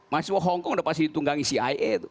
mahasiswa hongkong sudah pasti ditunggangi cia